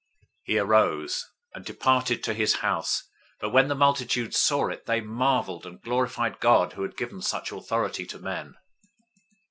009:007 He arose and departed to his house. 009:008 But when the multitudes saw it, they marveled and glorified God, who had given such authority to men.